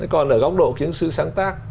còn ở góc độ kỹ thuật sư sáng tác